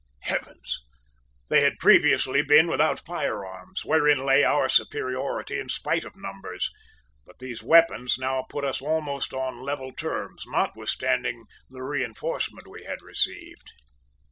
"Heavens! They had previously been without firearms, wherein lay our superiority in spite of numbers; but these weapons now put us almost on level terms, notwithstanding the reinforcement we had received.